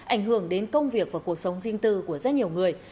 ảnh hưởng đến công việc và cuộc sống riêng tư của rất nhiều người